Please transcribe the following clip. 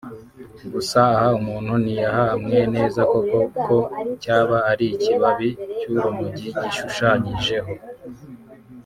Gusa aha umuntu ntiyahamye neza koko ko cyaba ari ikibabi cy’urumogi yishushanyijeho